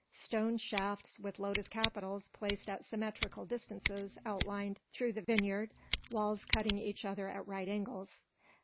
Stone shafts with lotus capitals placed at symmetrical distances outlined, through the vineyard, walks cutting each other at right angles.